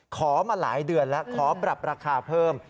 ขอมาหลายเดือนแล้วขอปรับราคาเพิ่ม